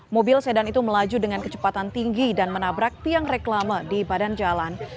mobil sedan itu melaju dengan kecepatan tinggi dan menabrak tiang reklama di badan jalan